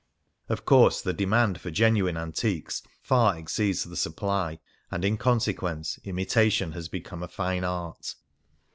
Of course the demand for genuine antiques far exceeds the supply, and, in conse quence, imitation has become a fine art.